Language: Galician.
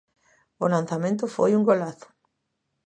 O lanzamento foi un golazo.